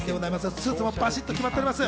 スーツもバシっと決まっております。